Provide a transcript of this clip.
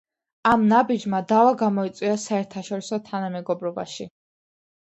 ამ ნაბიჯმა დავა გამოიწვია საერთაშორისო თანამეგობრობაში.